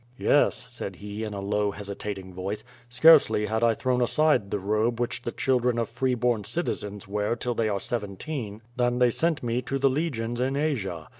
"Yes," said he in a low hesitating voice, "scarcely had 1 thrown aside the robe which the children of free bom citizens wear till they are seventeen, "than they sent me to the legions in Asia.